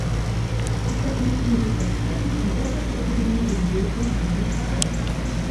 Die Statistiken sind erschreckend, und doch hat die Epidemie ihren Höhepunkt noch nicht erreicht.